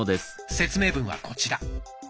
説明文はこちら。